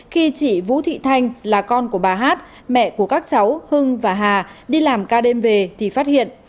khi chị vũ thị thanh là con của bà hát mẹ của các cháu hưng và hà đi làm ca đêm về thì phát hiện